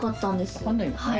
分かんないよね。